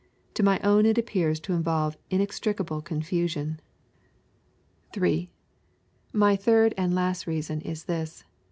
To my own it appears to involve inextii* cable confusion. LUKE^ CHAP. X. 883 3. My third and last reason is this.